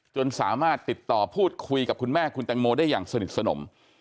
จนสามารถติดต่อพูดคุยกับคุณแม่คุณแตงโมได้อย่างสนิทสนม